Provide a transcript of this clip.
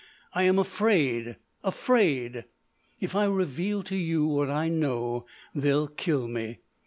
I am afraid!—afraid! If I reveal to you what I know they'll kill me.